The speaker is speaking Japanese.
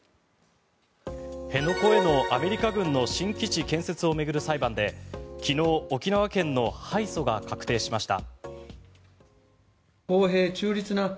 辺野古へのアメリカ軍の新基地建設を巡る裁判で昨日、沖縄県の敗訴が確定しました。